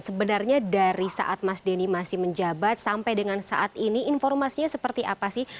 sebenarnya dari saat mas denny masih menjabat sampai dengan saat ini informasinya seperti apa sih